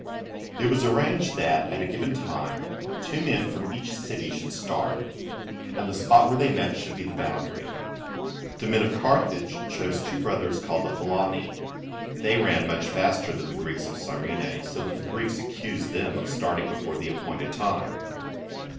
It was arranged that at a given, time two men from each city should start, and the spot where 102 SYRACUSE. [B.C. 480. they met, should be the boundary. The men of Carthage chose two brothers called the Philaeni. They ran much faster than the Greeks of Gyrene, so that the Greeks accused them of starting be fore the appointed time.